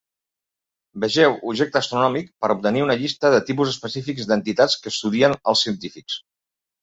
Vegeu objecte astronòmic per obtenir una llista de tipus específics d'entitats que estudien els científics.